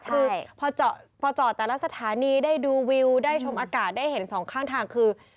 คือพอจอดแต่ละสถานีได้ดูวิวได้ชมอากาศได้เห็นสองข้างทางคือ